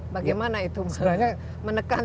bagaimana itu menekan